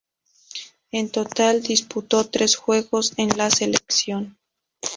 En total disputo tres juegos en la selección.